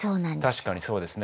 確かにそうですね。